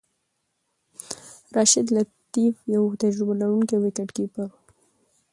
راشد لطيف یو تجربه لرونکی وکټ کیپر وو.